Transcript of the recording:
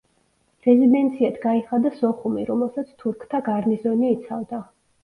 რეზიდენციად გაიხადა სოხუმი, რომელსაც თურქთა გარნიზონი იცავდა.